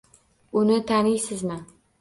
— Uni taniysizmi?